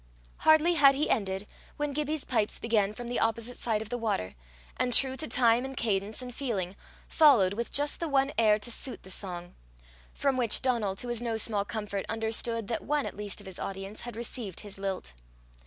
Hardly had he ended, when Gibbie's pipes began from the opposite side of the water, and, true to time and cadence and feeling, followed with just the one air to suit the song from which Donal, to his no small comfort, understood that one at least of his audience had received his lilt.